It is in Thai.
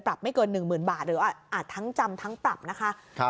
ไม่เกิน๑๐๐๐บาทหรืออาจทั้งจำทั้งปรับนะคะ